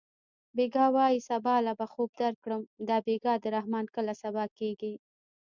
بېګا وایې سبا له به خوله درکړم دا بېګا د رحمان کله سبا کېږي